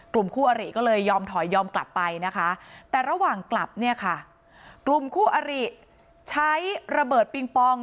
คู่อริก็เลยยอมถอยยอมกลับไปนะคะแต่ระหว่างกลับเนี่ยค่ะกลุ่มคู่อริใช้ระเบิดปิงปอง